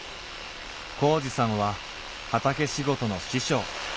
紘二さんは畑仕事の師匠。